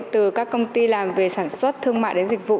từ các công ty làm về sản xuất thương mại đến dịch vụ